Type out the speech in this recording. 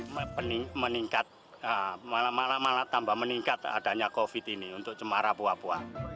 meningkat malah malah malah tambah meningkat adanya covid ini untuk cemara pua pua